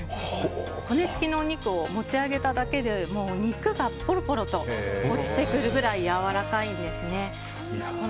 骨付きのお肉を持ち上げただけでも肉がポロポロと落ちてくるぐらいやわらかいんですね。